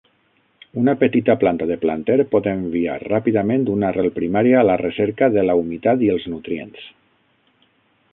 Una petita planta de planter pot enviar ràpidament una arrel primària a la recerca de la humitat i els nutrients.